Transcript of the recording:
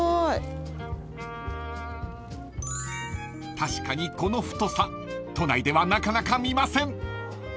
［確かにこの太さ都内ではなかなか見ません］